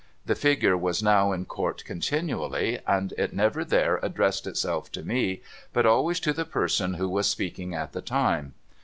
The figure was now in Court continually, and it never there addressed itself to me, but always to the person who was speaking at the time.